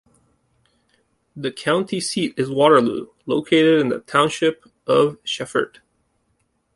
The county seat is Waterloo, located in the Township of Shefford.